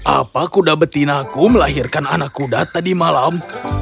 apa kuda betinaku melahirkan anak kuda tadi malam